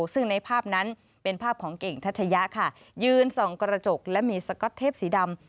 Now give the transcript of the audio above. ซึ่งในภาพนั้นเป็นภาพของเก่งทัชยะค่ะยืนส่องกระจกและมีสก๊อตเทปสีดำ